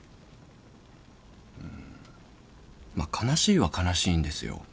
まあ悲しいは悲しいんですよ。